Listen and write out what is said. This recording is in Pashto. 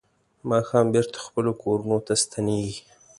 ماښام بېرته خپلو کورونو ته ستنېږي.